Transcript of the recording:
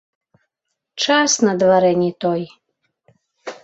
Час на дварэ не той.